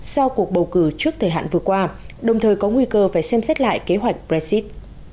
sau cuộc bầu cử trước thời hạn vừa qua đồng thời có nguy cơ phải xem xét lại kế hoạch brexit